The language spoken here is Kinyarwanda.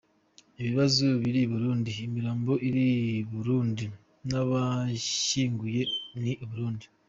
Ibibazo biri i Burundi imirambo iri i Burundi, n’abayishyinguye ni u Burundi.